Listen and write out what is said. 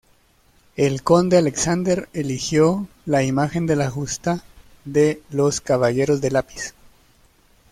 El conde Alexander eligió la imagen de la justa de "los caballeros del lápiz".